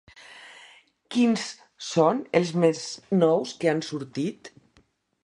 Quins són els més nous que han sortit?